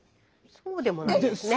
そうでもないですね。